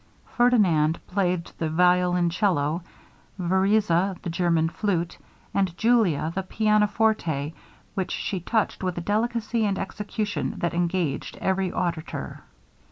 Ferdinand played the violoncello, Vereza the German flute, and Julia the piana forte, which she touched with a delicacy and execution that engaged every auditor.